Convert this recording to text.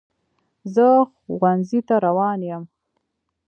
زه ښوونځي ته روان یم.